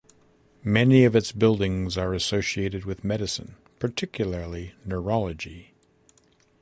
Many of its buildings are associated with medicine, particularly neurology.